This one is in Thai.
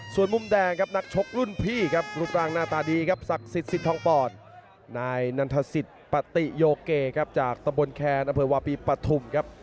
ส่วนมุมแดงครับนักชกรุ่นพี่ครับรูปร่างหน้าตาดีครับศักดิ์สิทธิสิทธองปอดนายนันทศิษย์ปฏิโยเกครับจากตะบนแคนอำเภอวาปีปฐุมครับ